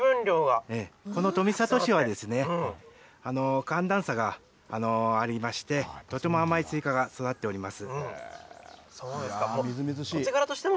この富里市は、寒暖差がありまして、とても甘いスイカが育っております。